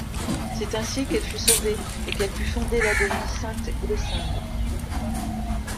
C’est ainsi qu’elle fut sauvée et qu’elle put fonder l’abbaye Sainte-Glossinde.